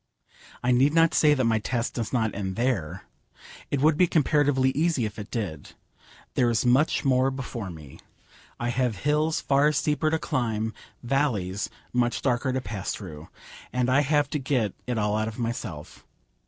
I need not say that my task does not end there. It would be comparatively easy if it did. There is much more before me. I have hills far steeper to climb, valleys much darker to pass through. And I have to get it all out of myself.